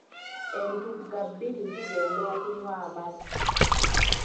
Entugga bbiri zigenda okunywa amazzi.